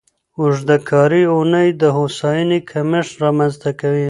اوږده کاري اونۍ د هوساینې کمښت رامنځته کوي.